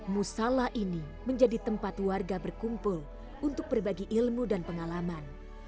musalah ini menjadi tempat warga berkumpul untuk berbagi ilmu dan pengalaman